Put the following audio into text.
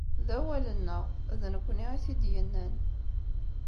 D awal-nneɣ, d nekkni i t-id-yennan.